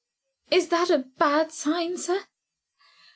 "Is that a bad sign, sir?"